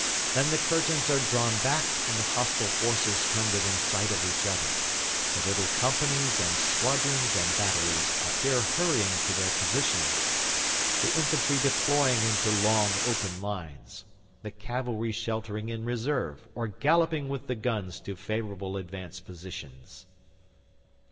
Then the curtains are drawn back and the hostile forces come within sight of each other; the little companies and squadrons and batteries appear hurrying to their positions, the infantry deploying into long open lines, the cavalry sheltering in reserve, or galloping with the guns to favourable advance positions.